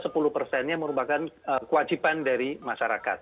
sementara sepuluh persen ini merupakan kewajiban dari masyarakat